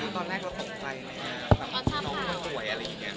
ตอนแรกเราตกใจไหมคะ